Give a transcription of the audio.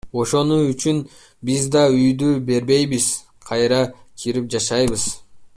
Ошону үчүн биз да үйдү бербейбиз, кайра кирип жашайбыз.